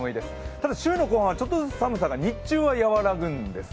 ただ、週の後半は少しずつ寒さが日中は和らぐんです。